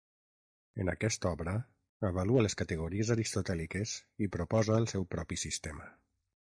En aquesta obra, avalua les categories aristotèliques i proposa el seu propi sistema.